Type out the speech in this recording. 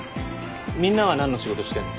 みんなは何の仕事してんの？